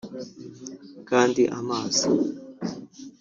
Kandi amazi